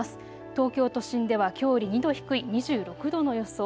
東京都心ではきょうより２度低い２６度の予想。